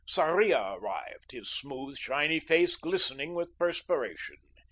Sarria arrived, his smooth, shiny face glistening with perspiration.